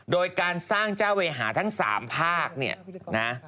โดยการสร้างเจ้าเวหาทั้ง๓ภาคเนี่ยนะ